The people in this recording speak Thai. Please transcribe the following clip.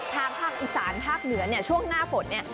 ทางอิสานพวกนี้ช่วงหน้าฝนนี้